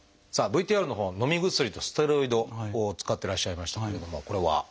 さあＶＴＲのほうはのみ薬とステロイドを使ってらっしゃいましたけれどもこれは？